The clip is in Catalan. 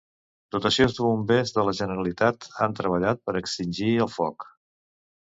Dotacions de Bombers de la Generalitat han treballat per extingir el foc.